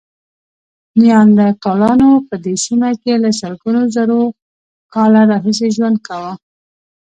نیاندرتالانو په دې سیمه کې له سلګونو زره کلونو راهیسې ژوند کاوه.